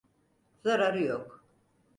Zararı yok.